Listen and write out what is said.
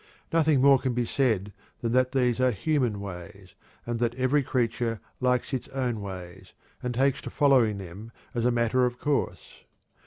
Nothing more can be said than that these are human ways, and that every creature likes its own ways, and takes to following them as a matter of course.